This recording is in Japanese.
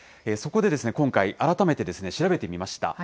そこで今回、改めて、調べてみました。